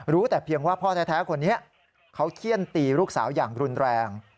แต่เพียงว่าพ่อแท้คนนี้เขาเขี้ยนตีลูกสาวอย่างรุนแรง